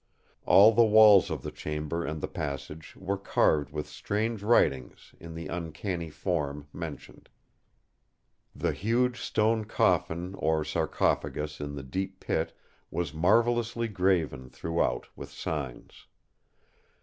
"All the walls of the chamber and the passage were carved with strange writings in the uncanny form mentioned. The huge stone coffin or sarcophagus in the deep pit was marvellously graven throughout with signs.